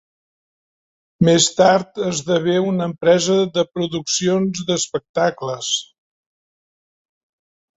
Més tard esdevé una empresa de produccions d'espectacles.